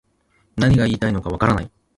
何が言いたいのかわからない